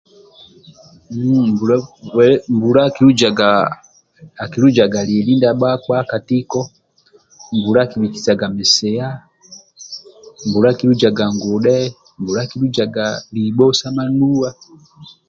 Mbuka akilujaga lyeli ndia bakpa katiko mbula akibhikisaga nsiya mbuka akilujaga ngudhe mbula skilujaga liho sya nuwa